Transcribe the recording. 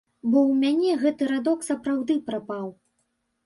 Бо ў мяне гэты радок сапраўды прапаў.